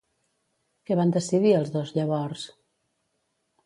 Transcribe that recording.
Què van decidir els dos llavors?